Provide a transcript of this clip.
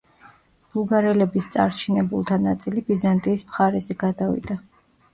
ბულგარელების წარჩინებულთა ნაწილი ბიზანტიის მხარეზე გადავიდა.